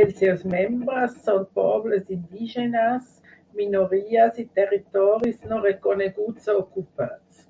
Els seus membres són pobles indígenes, minories i territoris no reconeguts o ocupats.